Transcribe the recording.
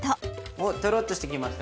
おっトロッとしてきました。